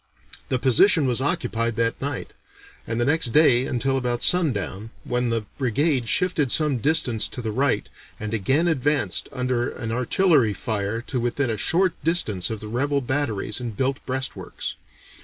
The position was occupied that night, and the next day until about sundown, when the brigade shifted some distance to the right and again advanced under an artillery fire to within a short distance of the rebel batteries and built breastworks.